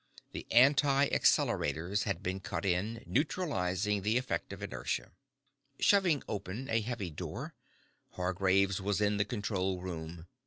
The anti accelerators had been cut in, neutralizing the effect of inertia. Shoving open a heavy door, Hargraves was in the control room.